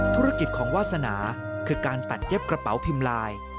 ธุรกิจของวาสนาคือการตัดเย็บกระเป๋าพิมพ์ลาย